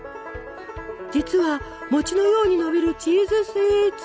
実は餅のようにのびるチーズスイーツ。